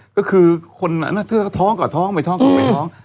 ก็คือถ้องกับท้องไปท้องกับไปท้อง